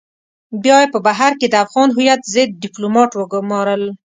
بيا يې په بهر کې د افغان هويت ضد ډيپلومات وگمارل.